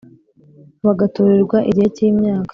Bagatorerwa igihe cy imyaka